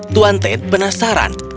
tuan ted penasaran